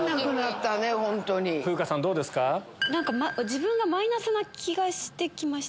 自分がマイナスな気がしてきました。